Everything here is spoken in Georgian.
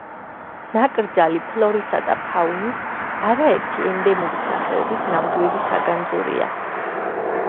ნაკრძალი ფლორისა და ფაუნის არაერთი ენდემური სახეობის ნამდვილი საგანძურია.